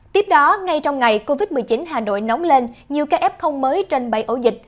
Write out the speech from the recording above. tiếp đó ngay trong ngày covid một mươi chín hà nội nóng lên nhiều kf mới tranh bày ổ dịch